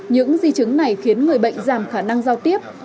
những di chứng này khiến người bệnh giảm khả năng giao tiếp